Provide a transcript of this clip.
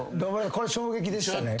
これ衝撃でしたね。